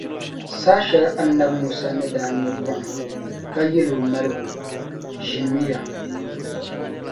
Saha shεli Annabi Musa ni daa nya buɣum, ka yεli o maligu, ʒinimi ya.